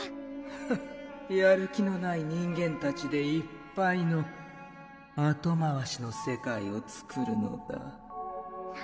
フッやる気のない人間たちでいっぱいのあとまわしの世界を作るのだ何？